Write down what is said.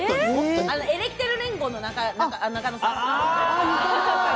エレキテル連合の中野さん。